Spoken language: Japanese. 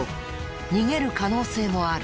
逃げる可能性もある。